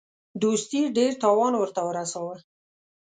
دوستي ډېر تاوان ورته ورساوه.